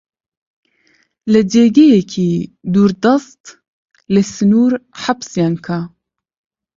لە جێگەیەکی دووردەست، لە سنوور حەبسیان کە!